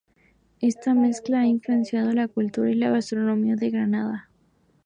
Esta mezcla ha influenciado la cultura y la gastronomía de Granada.